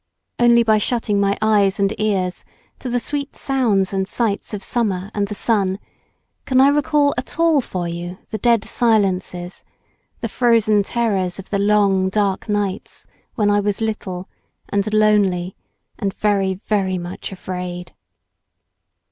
Only by shutting my eyes and ears to the sweet sounds and sights of summer and the sun can I recall at all for you the dead silences, the frozen terrors of the long, dark nights when I was little, and lonely, and very very much afraid.